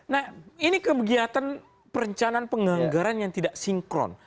nah ini kegiatan perencanaan penganggaran yang tidak sinkron